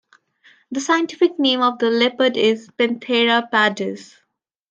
The scientific name of the leopard is "Panthera pardus".